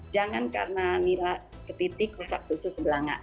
jangan karena nilai sepiti kursus kursus sebelah